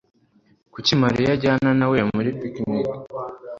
Kuki Mariya ajyana na we muri picnic?